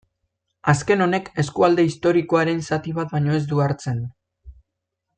Azken honek eskualde historikoaren zati bat baino ez du hartzen.